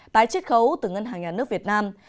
tái chí khấu từ ngân hàng nhà nước việt nam